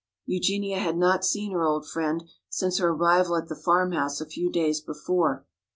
Eugenia had not seen her old friend since her arrival at the farmhouse a few days before.